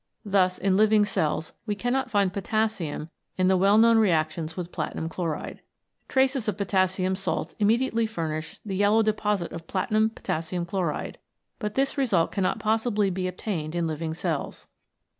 Thus in living cells we cannot find potassium in the well known reactions with platinum chloride. Traces of potassium salts immediately furnish the yellow deposit of platinum potassium chloride, but this result cannot possibly be obtained in living cells.